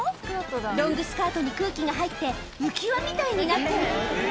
ロングスカートに空気が入って、浮き輪みたいになってる。